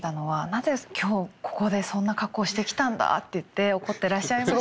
「なぜ今日ここでそんな格好をしてきたんだ！」って言って怒ってらっしゃいましたけど。